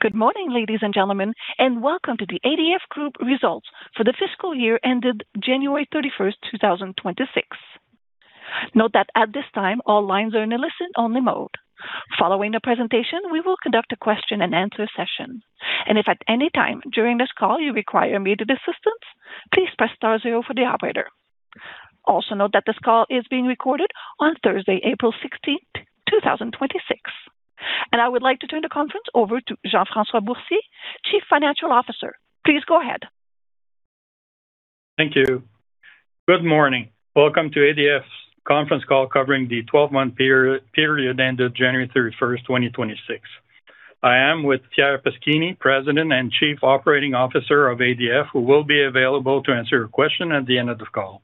Good morning, ladies and gentlemen, and welcome to the ADF Group results for the fiscal year ended January 31st, 2026. Note that at this time, all lines are in a listen-only mode. Following the presentation, we will conduct a question-and-answer session. If at any time during this call you require immediate assistance, please press star zero for the operator. Also note that this call is being recorded on Thursday, April 16th, 2026. I would like to turn the conference over to Jean-François Boursier, Chief Financial Officer. Please go ahead. Thank you. Good morning. Welcome to ADF's conference call covering the 12-month period ended January 31st, 2026. I am with Pierre Paschini, President and Chief Operating Officer of ADF, who will be available to answer your question at the end of the call.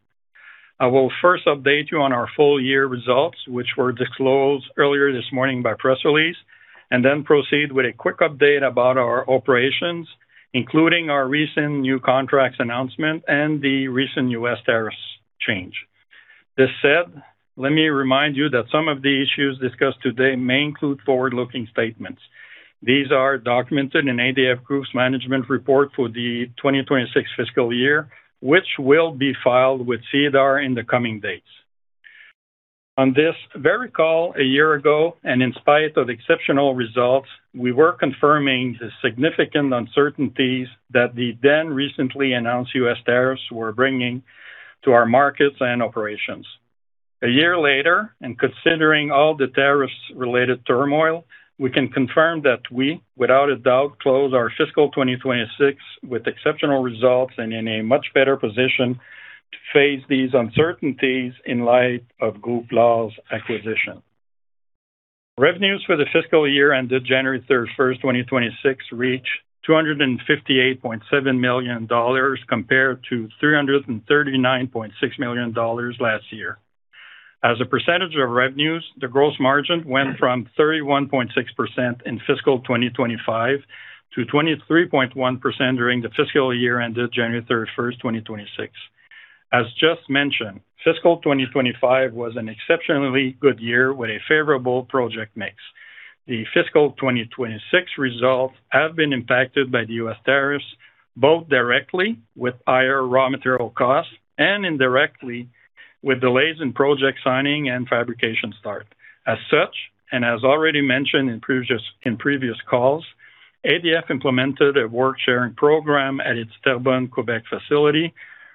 I will first update you on our full year results, which were disclosed earlier this morning by press release, and then proceed with a quick update about our operations, including our recent new contracts announcement and the recent U.S. tariffs change. This said, let me remind you that some of the issues discussed today may include forward-looking statements. These are documented in ADF Group's management report for the 2026 fiscal year, which will be filed with SEDAR in the coming days. On this very call a year ago, and in spite of exceptional results, we were confirming the significant uncertainties that the then recently announced U.S. tariffs were bringing to our markets and operations. A year later, and considering all the tariffs-related turmoil, we can confirm that we, without a doubt, closed our fiscal 2026 with exceptional results and in a much better position to face these uncertainties in light of Groupe LAR's acquisition. Revenues for the fiscal year ended January 31st, 2026, reached 258.7 million dollars, compared to 339.6 million dollars last year. As a percentage of revenues, the gross margin went from 31.6% in fiscal 2025 to 23.1% during the fiscal year ended January 31st, 2026. As just mentioned, fiscal 2025 was an exceptionally good year with a favorable project mix. The fiscal 2026 results have been impacted by the U.S. tariffs, both directly with higher raw material costs and indirectly with delays in project signing and fabrication start. As such, and as already mentioned in previous calls, ADF implemented a work-sharing program at its Terrebonne, Québec facility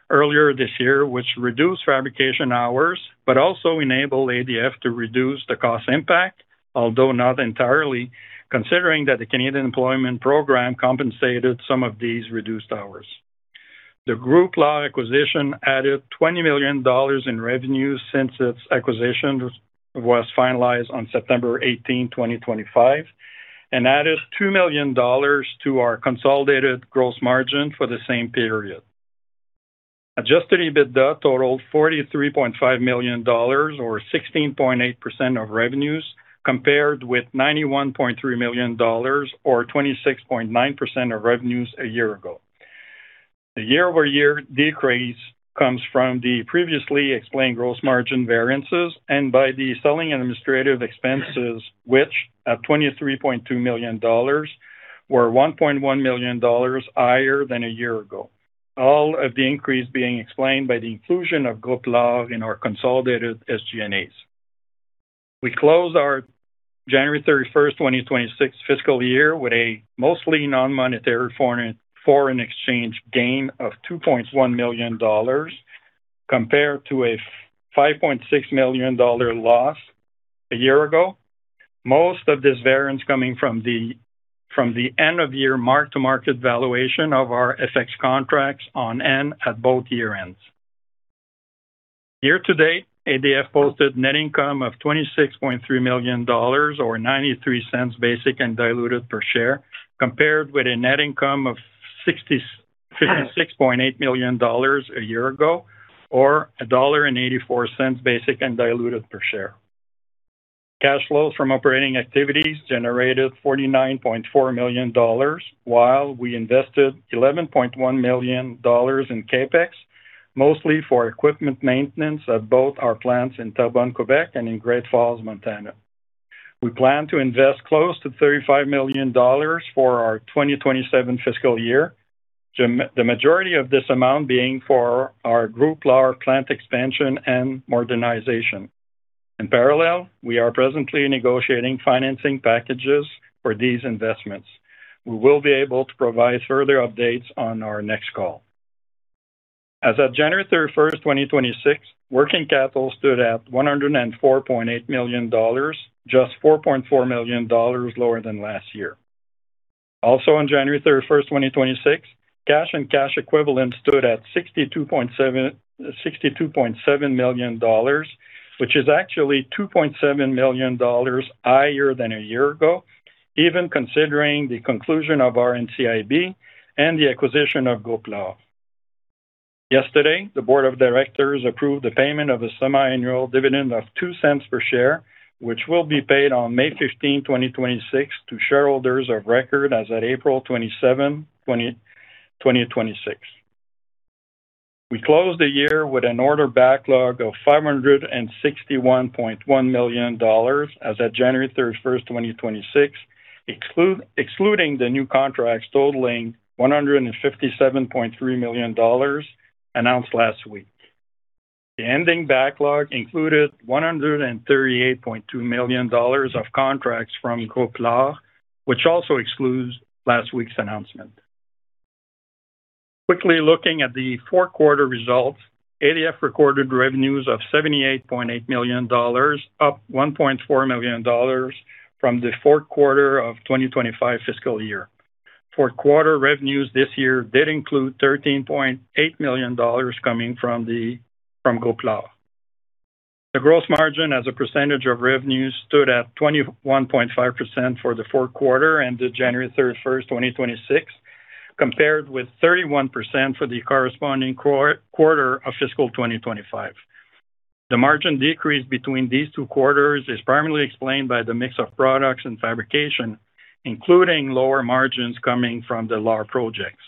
earlier this year, which reduced fabrication hours but also enabled ADF to reduce the cost impact, although not entirely, considering that the Canadian employment program compensated some of these reduced hours. The Groupe LAR acquisition added 20 million dollars in revenue since its acquisition was finalized on September 18, 2025, and added 2 million dollars to our consolidated gross margin for the same period. Adjusted EBITDA totaled 43.5 million dollars or 16.8% of revenues, compared with 91.3 million dollars or 26.9% of revenues a year ago. The year-over-year decrease comes from the previously explained gross margin variances and by the selling administrative expenses, which at 23.2 million dollars, were 1.1 million dollars higher than a year ago. All of the increase being explained by the inclusion of Groupe LAR in our consolidated SG&As. We closed our January 31st, 2026 fiscal year with a mostly non-monetary foreign exchange gain of 2.1 million dollars, compared to a 5.6 million dollar loss a year ago. Most of this variance coming from the end-of-year mark-to-market valuation of our FX contracts outstanding at both year ends. Year to date, ADF posted net income of 26.3 million dollars, or 0.93 basic and diluted per share, compared with a net income of 66.8 million dollars a year ago, or 1.84 dollar basic and diluted per share. Cash flows from operating activities generated 49.4 million dollars, while we invested 11.1 million dollars in CapEx, mostly for equipment maintenance at both our plants in Terrebonne, Québec and in Great Falls, Montana. We plan to invest close to 35 million dollars for our 2027 fiscal year, the majority of this amount being for our Groupe LAR plant expansion and modernization. In parallel, we are presently negotiating financing packages for these investments. We will be able to provide further updates on our next call. As of January 31st, 2026, working capital stood at 104.8 million dollars, just 4.4 million dollars lower than last year. Also on January 31st, 2026, cash and cash equivalents stood at 62.7 million dollars, which is actually 2.7 million dollars higher than a year ago, even considering the conclusion of our NCIB and the acquisition of Groupe LAR. Yesterday, the board of directors approved the payment of a semiannual dividend of 0.02 per share, which will be paid on May 15, 2026, to shareholders of record as at April 27, 2026. We closed the year with an order backlog of 561.1 million dollars as at January 31st, 2026, excluding the new contracts totaling 157.3 million dollars announced last week. The ending backlog included 138.2 million dollars of contracts from Groupe LAR, which also excludes last week's announcement. Quickly looking at the fourth quarter results, ADF recorded revenues of 78.8 million dollars, up 1.4 million dollars from the fourth quarter of 2025 fiscal year. Fourth quarter revenues this year did include 13.8 million dollars coming from Groupe LAR. The gross margin as a percentage of revenues stood at 21.5% for the fourth quarter ended January 31st, 2026, compared with 31% for the corresponding quarter of fiscal 2025. The margin decrease between these two quarters is primarily explained by the mix of products and fabrication, including lower margins coming from the LAR projects.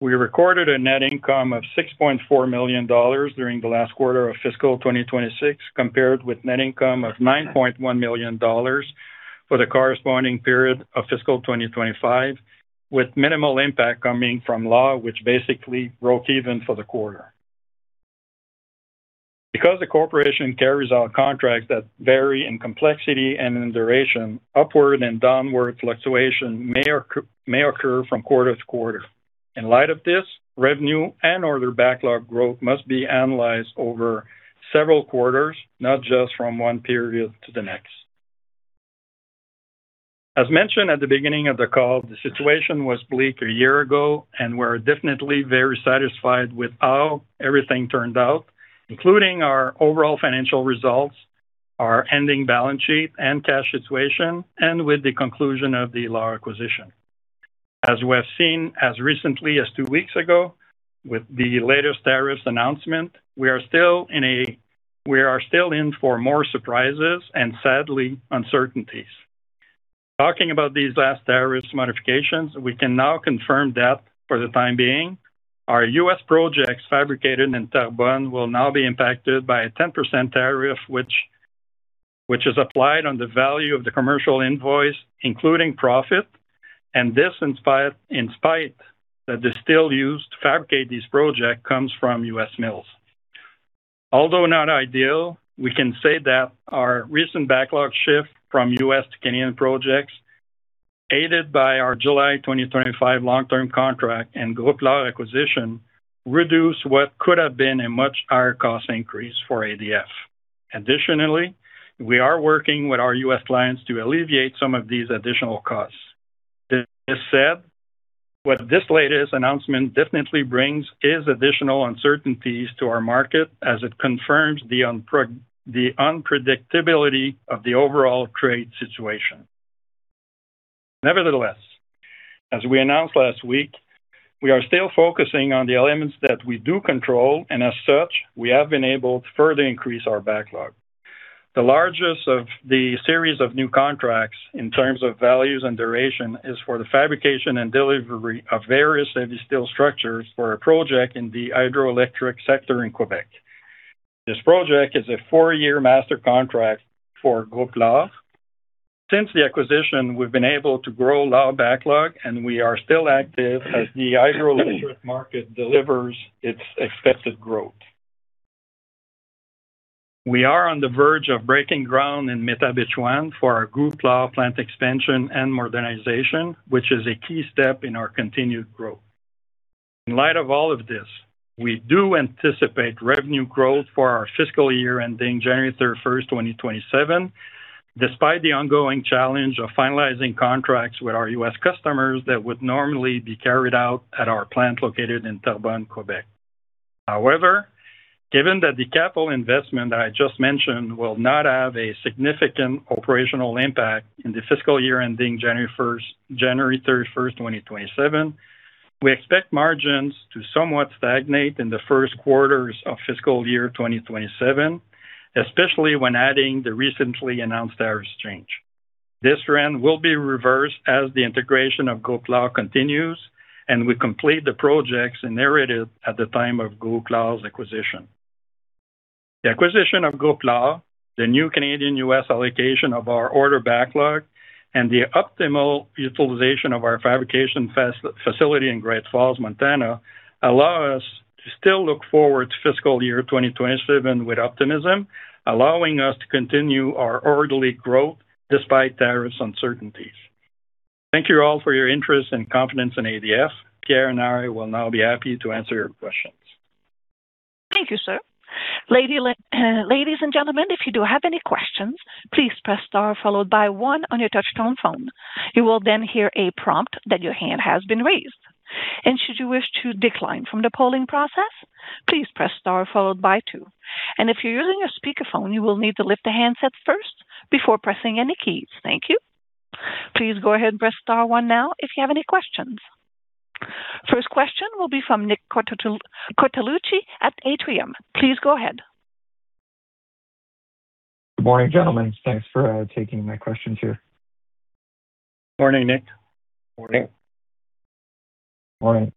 We recorded a net income of 6.4 million dollars during the last quarter of fiscal 2026, compared with net income of 9.1 million dollars for the corresponding period of fiscal 2025, with minimal impact coming from LAR, which basically broke even for the quarter. Because the corporation carries out contracts that vary in complexity and in duration, upward and downward fluctuation may occur from quarter to quarter. In light of this, revenue and order backlog growth must be analyzed over several quarters, not just from one period to the next. As mentioned at the beginning of the call, the situation was bleak a year ago, and we're definitely very satisfied with how everything turned out, including our overall financial results, our ending balance sheet and cash situation, and with the conclusion of the LAR acquisition. As we have seen as recently as two weeks ago with the latest tariffs announcement, we are still in for more surprises and sadly, uncertainties. Talking about these last tariffs modifications, we can now confirm that for the time being, our U.S. projects fabricated in Terrebonne will now be impacted by a 10% tariff which is applied on the value of the commercial invoice, including profit, and this in spite that the steel used to fabricate this project comes from U.S. mills. Although not ideal, we can say that our recent backlog shift from U.S. to Canadian projects, aided by our July 2025 long-term contract and Groupe LAR acquisition, reduced what could have been a much higher cost increase for ADF. Additionally, we are working with our U.S. clients to alleviate some of these additional costs. This said, what this latest announcement definitely brings is additional uncertainties to our market as it confirms the unpredictability of the overall trade situation. Nevertheless, as we announced last week, we are still focusing on the elements that we do control, and as such, we have been able to further increase our backlog. The largest of the series of new contracts in terms of values and duration is for the fabrication and delivery of various heavy steel structures for a project in the hydroelectric sector in Québec. This project is a four-year master contract for Groupe LAR. Since the acquisition, we've been able to grow LAR backlog, and we are still active as the hydroelectric market delivers its expected growth. We are on the verge of breaking ground in Métabetchouan for our Groupe LAR plant expansion and modernization, which is a key step in our continued growth. In light of all of this, we do anticipate revenue growth for our fiscal year ending January 31st, 2027, despite the ongoing challenge of finalizing contracts with our U.S. customers that would normally be carried out at our plant located in Terrebonne, Québec. However, given that the capital investment that I just mentioned will not have a significant operational impact in the fiscal year ending January 31st, 2027, we expect margins to somewhat stagnate in the first quarters of fiscal year 2027, especially when adding the recently announced tariff change. This trend will be reversed as the integration of Groupe LAR continues, and we complete the projects inherited at the time of Groupe LAR's acquisition. The acquisition of Groupe LAR, the new Canadian/U.S. allocation of our order backlog, and the optimal utilization of our fabrication facility in Great Falls, Montana, allow us to still look forward to fiscal year 2027 with optimism, allowing us to continue our orderly growth despite tariff uncertainties. Thank you all for your interest and confidence in ADF. Pierre and I will now be happy to answer your questions. Thank you, sir. Ladies and gentlemen, if you do have any questions, please press star followed by one on your touch-tone phone. You will then hear a prompt that your hand has been raised. Should you wish to decline from the polling process, please press star followed by two. If you're using your speakerphone, you will need to lift the handset first before pressing any keys. Thank you. Please go ahead and press star one now if you have any questions. First question will be from Nicholas Cortellucci at Atrium. Please go ahead. Good morning, gentlemen. Thanks for taking my questions here. Morning, Nick. Morning. Morning.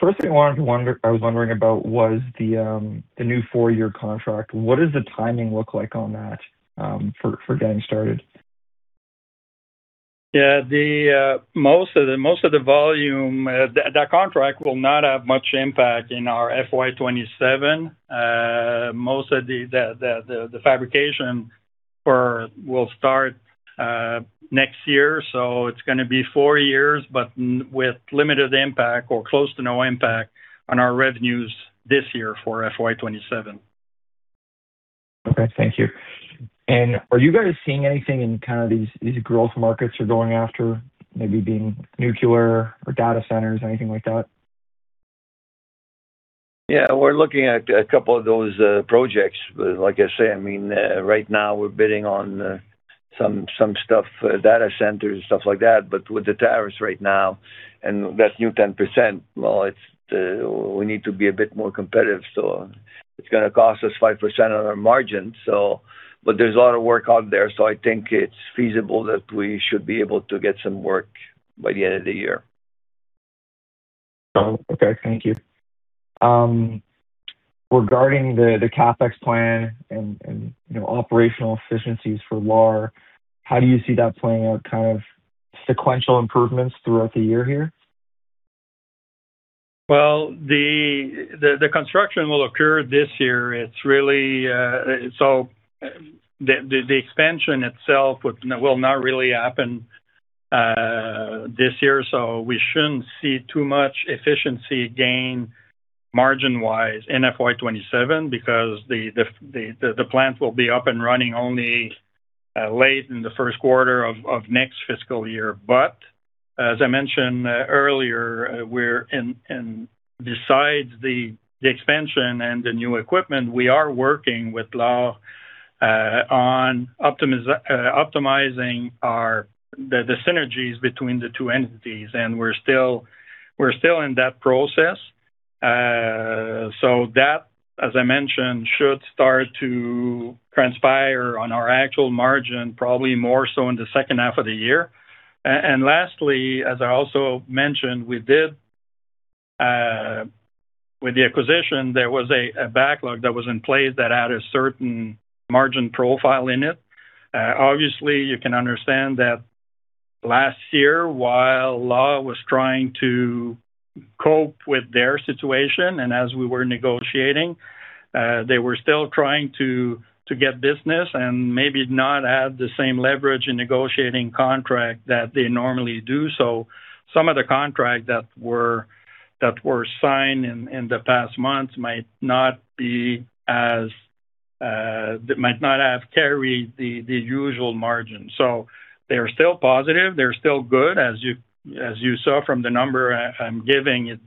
First thing I was wondering about was the new four-year contract. What does the timing look like on that for getting started? Most of the volume, that contract will not have much impact in our FY 2027. Most of the fabrication will start next year. It's going to be four years, but with limited impact or close to no impact on our revenues this year for FY 2027. Okay, thank you. Are you guys seeing anything in these growth markets you're going after, maybe being nuclear or data centers, anything like that? Yeah, we're looking at a couple of those projects. Like I say, right now we're bidding on some stuff for data centers and stuff like that. With the tariffs right now, and that new 10%, we need to be a bit more competitive. It's going to cost us 5% on our margin. There's a lot of work out there, so I think it's feasible that we should be able to get some work by the end of the year. Okay, thank you. Regarding the CapEx plan and operational efficiencies for LAR, how do you see that playing out, kind of sequential improvements throughout the year here? Well, the construction will occur this year. The expansion itself will not really happen this year, so we shouldn't see too much efficiency gain margin-wise in FY 2027 because the plant will be up and running only late in the first quarter of next fiscal year. As I mentioned earlier, and besides the expansion and the new equipment, we are working with LAR on optimizing the synergies between the two entities, and we're still in that process. That, as I mentioned, should start to transpire on our actual margin, probably more so in the second half of the year. Lastly, as I also mentioned, with the acquisition, there was a backlog that was in place that had a certain margin profile in it. Obviously, you can understand that last year, while LAR was trying to cope with their situation and as we were negotiating, they were still trying to get business and maybe not have the same leverage in negotiating contract that they normally do. Some of the contracts that were signed in the past months might not have carried the usual margin. They are still positive, they're still good. As you saw from the number I'm giving, it's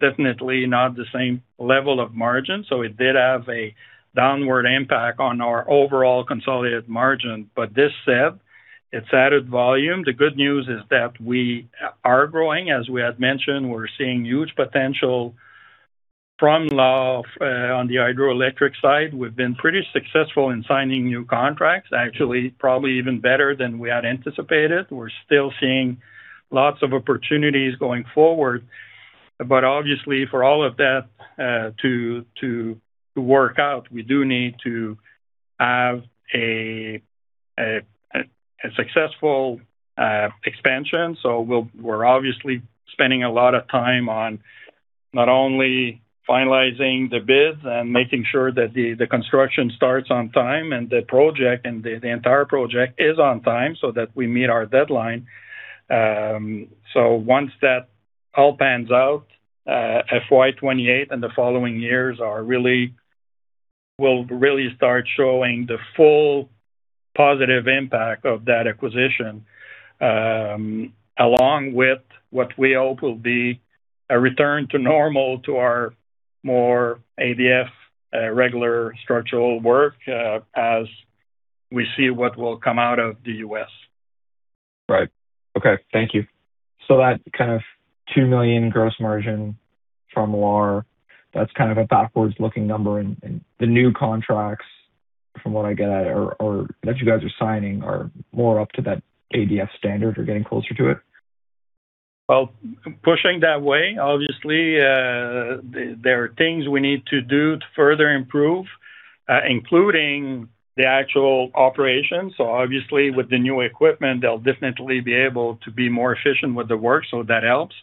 definitely not the same level of margin. It did have a downward impact on our overall consolidated margin. That said, it's added volume. The good news is that we are growing. As we had mentioned, we're seeing huge potential from LAR on the hydroelectric side. We've been pretty successful in signing new contracts, actually, probably even better than we had anticipated. We're still seeing lots of opportunities going forward, but obviously for all of that to work out, we do need to have a successful expansion. We're obviously spending a lot of time on not only finalizing the bids and making sure that the construction starts on time and the entire project is on time so that we meet our deadline. Once that all pans out, FY 2028 and the following years will really start showing the full positive impact of that acquisition, along with what we hope will be a return to normal to our more ADF regular structural work as we see what will come out of the U.S. Right. Okay. Thank you. That kind of 2 million gross margin from LAR, that's kind of a backwards-looking number and the new contracts, from what I get, that you guys are signing are more up to that ADF standard or getting closer to it? Well, pushing that way. Obviously, there are things we need to do to further improve, including the actual operations. Obviously with the new equipment, they'll definitely be able to be more efficient with the work, so that helps.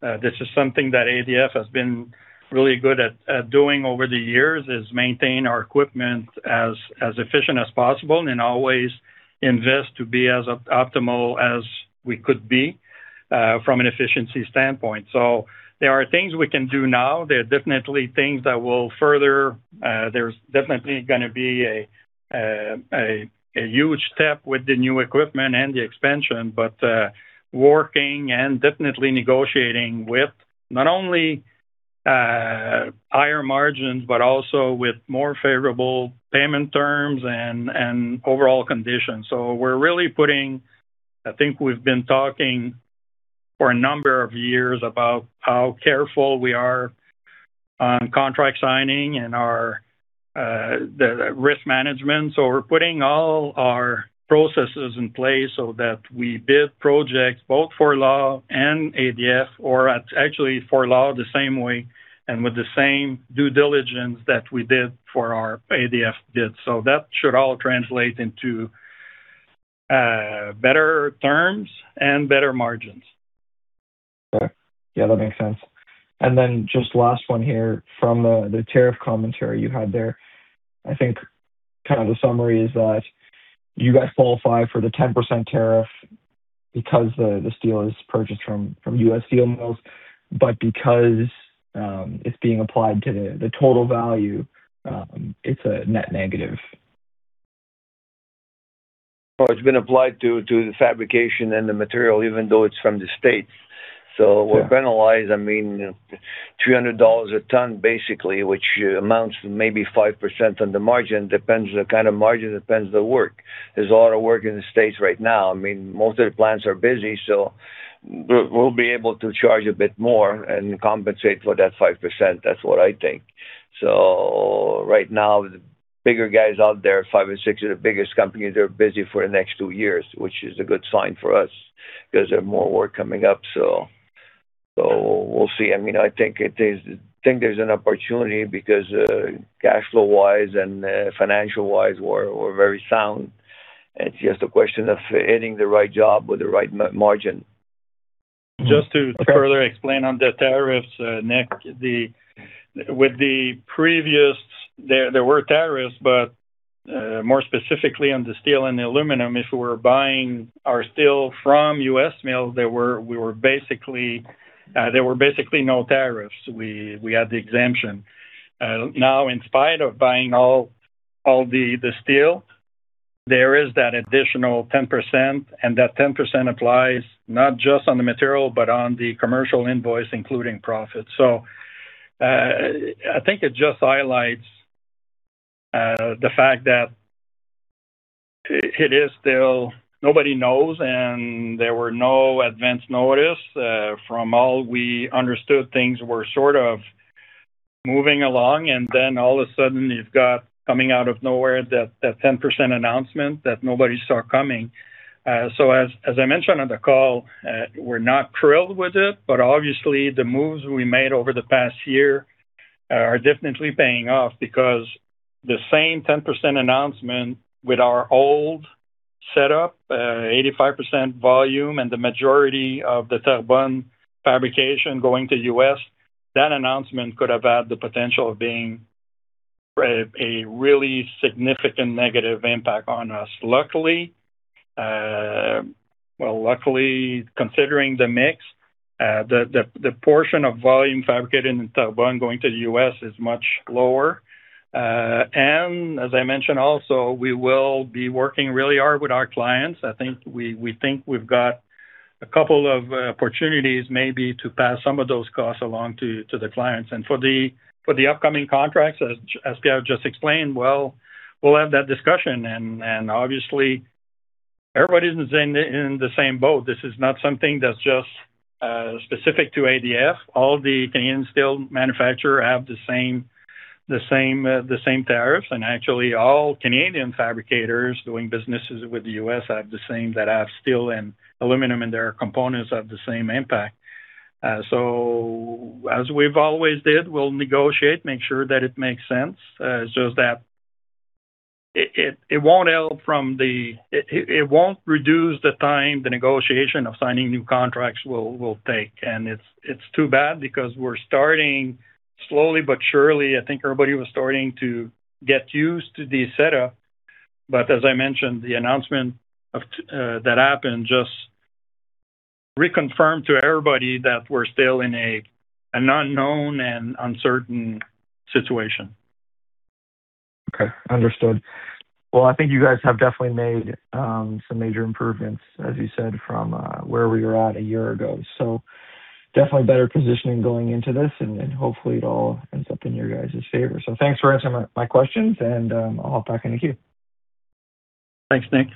This is something that ADF has been really good at doing over the years, is maintain our equipment as efficient as possible and always invest to be as optimal as we could be from an efficiency standpoint. There are things we can do now. There are definitely things that will further. There's definitely going to be a huge step with the new equipment and the expansion, but working and definitely negotiating with not only higher margins, but also with more favorable payment terms and overall conditions. We're really putting, I think we've been talking for a number of years about how careful we are on contract signing and our risk management. We're putting all our processes in place so that we bid projects both for LAR and ADF or actually for LAR the same way and with the same due diligence that we did for our ADF bids. So that should all translate into better terms and better margins. Okay. Yeah, that makes sense. Just last one here from the tariff commentary you had there. I think the summary is that you guys qualify for the 10% tariff because the steel is purchased from U.S. steel mills, but because it's being applied to the total value, it's a net negative. Well, it's been applied to the fabrication and the material, even though it's from the States. Yeah. We're penalized, $300 a ton basically, which amounts to maybe 5% on the margin. Depends on the kind of margin, depends on the work. There's a lot of work in the States right now. Most of the plants are busy, so we'll be able to charge a bit more and compensate for that 5%. That's what I think. Right now, the bigger guys out there, five or six of the biggest companies, they're busy for the next two years, which is a good sign for us because there's more work coming up. We'll see. I think there's an opportunity because, cashflow-wise and financial-wise, we're very sound. It's just a question of hitting the right job with the right margin. Just to further explain on the tariffs, Nick. With the previous, there were tariffs, but more specifically on the steel and the aluminum, if we're buying our steel from U.S. mills, there were basically no tariffs. We had the exemption. Now, in spite of buying all the steel, there is that additional 10%, and that 10% applies not just on the material, but on the commercial invoice, including profit. I think it just highlights the fact that it is still nobody knows, and there were no advance notice. From all we understood, things were sort of moving along, and then all of a sudden you've got coming out of nowhere that 10% announcement that nobody saw coming. As I mentioned on the call, we're not thrilled with it, but obviously the moves we made over the past year are definitely paying off because the same 10% announcement with our old setup, 85% volume, and the majority of the Terrebonne fabrication going to U.S., that announcement could have had the potential of being a really significant negative impact on us. Luckily, considering the mix, the portion of volume fabricated in Terrebonne going to the U.S. is much lower. As I mentioned also, we will be working really hard with our clients. We think we've got a couple of opportunities maybe to pass some of those costs along to the clients. For the upcoming contracts, as Pierre just explained, well, we'll have that discussion. Obviously, everybody is in the same boat. This is not something that's just specific to ADF. All the Canadian steel manufacturer have the same tariffs, and actually all Canadian fabricators doing businesses with the U.S. have the same that have steel and aluminum in their components have the same impact. As we've always did, we'll negotiate, make sure that it makes sense. It's just that it won't reduce the time the negotiation of signing new contracts will take. It's too bad because we're starting slowly but surely. I think everybody was starting to get used to the setup. As I mentioned, the announcement that happened just reconfirmed to everybody that we're still in an unknown and uncertain situation. Okay. Understood. Well, I think you guys have definitely made some major improvements, as you said, from where we were at a year ago. Definitely better positioning going into this, and hopefully it all ends up in your guys' favor. Thanks for answering my questions, and I'll hop back into queue. Thanks, Nick.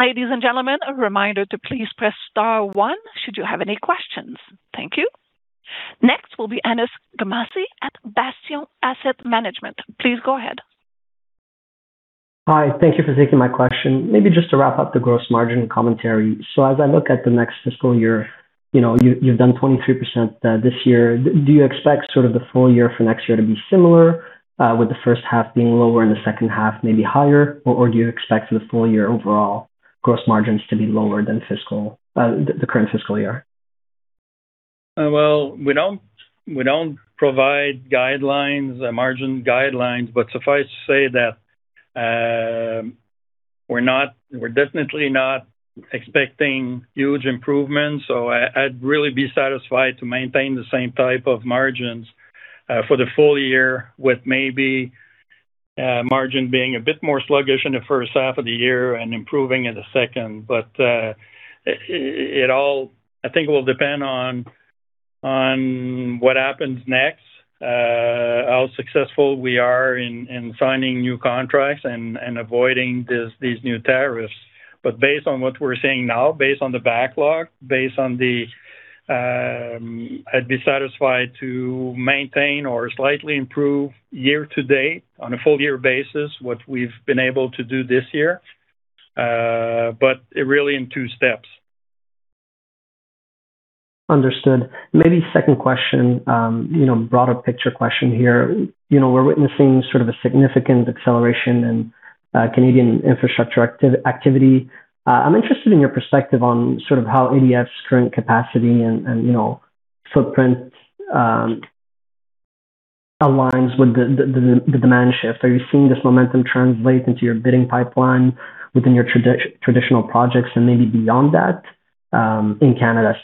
Ladies and gentlemen, a reminder to please press star one should you have any questions. Thank you. Next will be Aniss Gamassi at Bastion Asset Management. Please go ahead. Hi. Thank you for taking my question. Maybe just to wrap up the gross margin commentary. As I look at the next fiscal year, you've done 23% this year. Do you expect sort of the full year for next year to be similar, with the first half being lower and the second half maybe higher? Or do you expect the full year overall gross margins to be lower than the current fiscal year? Well, we don't provide guidelines, margin guidelines, but suffice to say that, we're definitely not expecting huge improvements. I'd really be satisfied to maintain the same type of margins for the full year, with maybe margin being a bit more sluggish in the first half of the year and improving in the second. I think it will depend on what happens next, how successful we are in signing new contracts and avoiding these new tariffs. Based on what we're seeing now, based on the backlog, I'd be satisfied to maintain or slightly improve year to date on a full year basis, what we've been able to do this year, but really in two steps. Understood. Maybe second question, broader picture question here. We're witnessing sort of a significant acceleration in Canadian infrastructure activity. I'm interested in your perspective on how ADF's current capacity and footprint aligns with the demand shift. Are you seeing this momentum translate into your bidding pipeline within your traditional projects and maybe beyond that, in Canada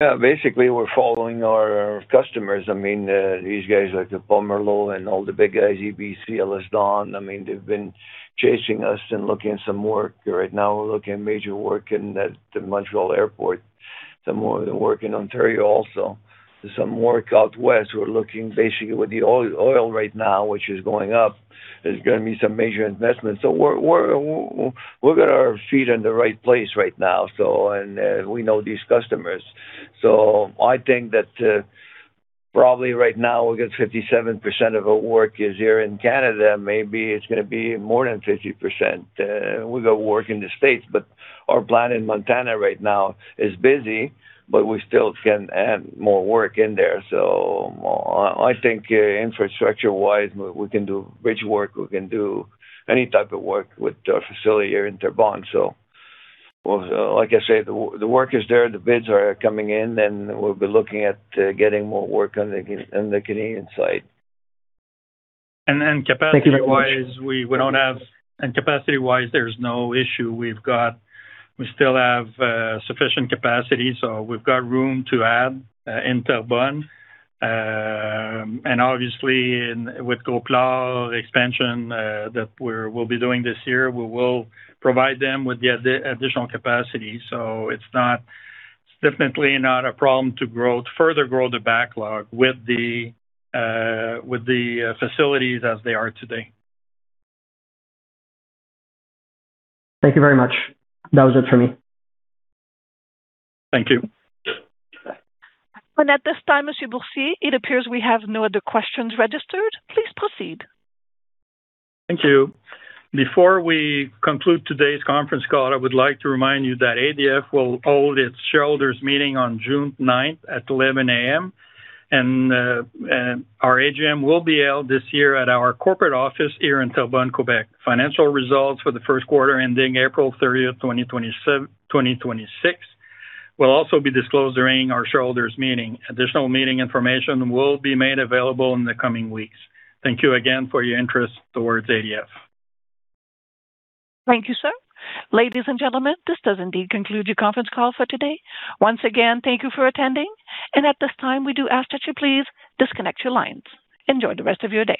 specifically? Yeah. Basically, we're following our customers. These guys like Pomerleau and all the big guys, EBC, EllisDon, they've been chasing us and looking at some work. Right now, we're looking at major work in the Montréal airport, some work in Ontario also. There's some work out west. We're looking basically with the oil right now, which is going up. There's going to be some major investments. We've got our feet in the right place right now, and we know these customers. I think that probably right now we get 57% of our work is here in Canada. Maybe it's going to be more than 50%. We got work in the States, but our plant in Montana right now is busy, but we still can add more work in there. I think infrastructure-wise, we can do bridge work, we can do any type of work with our facility here in Terrebonne. Like I say, the work is there, the bids are coming in, and we'll be looking at getting more work on the Canadian side. Capacity-wise, there's no issue. We still have sufficient capacity, so we've got room to add in Terrebonne. Obv`iously with Copel expansion that we'll be doing this year, we will provide them with the additional capacity. It's definitely not a problem to further grow the backlog with the facilities as they are today. Thank you very much. That was it for me. Thank you. At this time, [None-English content], it appears we have no other questions registered. Please proceed. Thank you. Before we conclude today's conference call, I would like to remind you that ADF will hold its shareholders meeting on June 9th at 11:00 A.M. Our AGM will be held this year at our corporate office here in Terrebonne, Québec. Financial results for the first quarter ending April 30th, 2026, will also be disclosed during our shareholders meeting. Additional meeting information will be made available in the coming weeks. Thank you again for your interest towards ADF. Thank you, sir. Ladies and gentlemen, this does indeed conclude your conference call for today. Once again, thank you for attending. At this time, we do ask that you please disconnect your lines. Enjoy the rest of your day.